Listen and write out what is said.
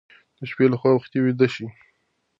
د شپې لخوا وختي ویده شئ.